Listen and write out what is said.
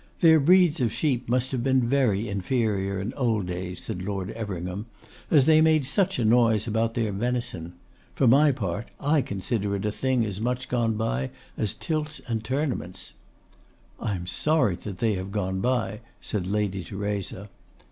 'Their breeds of sheep must have been very inferior in old days,' said Lord Everingham, 'as they made such a noise about their venison. For my part I consider it a thing as much gone by as tilts and tournaments.' 'I am sorry that they have gone by,' said Lady Theresa.